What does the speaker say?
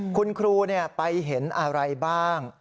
คุณครูไปเห็นอะไรบ้าง